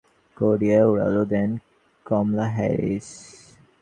সেখান থেকে বৃহস্পতিবার দক্ষিণ কোরিয়ায় উড়াল দেন কমলা হ্যারিস।